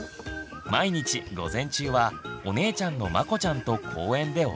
毎日午前中はお姉ちゃんのまこちゃんと公園でお散歩。